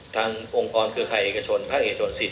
ทางองค์กรเกอร์ข่ายเอกชนภาคเอกชน๔๖